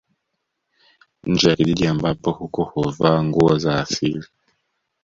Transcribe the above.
Nje ya kijiji ambapo huko huvaa nguo za asili